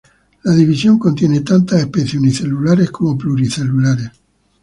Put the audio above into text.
La división contiene tanto especies unicelulares como pluricelulares.